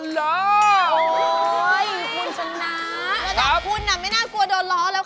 แล้วจังคุณไม่น่ากลัวโดนล้อแล้ว